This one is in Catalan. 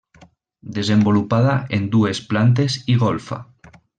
Desenvolupada en dues plantes i golfa.